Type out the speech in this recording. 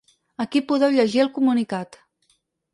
Aquí podeu llegir el comunicat.